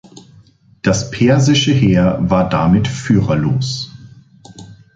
Das persische Heer war damit führerlos.